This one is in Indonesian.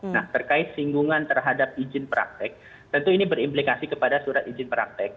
nah terkait singgungan terhadap izin praktek tentu ini berimplikasi kepada surat izin praktek